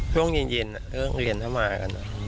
ช่วงเย็นเรื่องเรียนถ้ามากัน